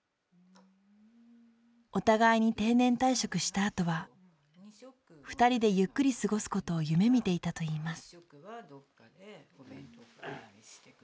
お互いに定年退職したあとは２人でゆっくり過ごすことを夢みていたといいます。